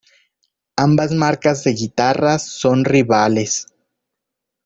Ambas marcas de guitarras son rivales.